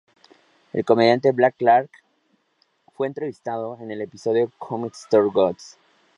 El comediante Blake Clark fue entrevistado en el episodio "Comedy Store Ghosts".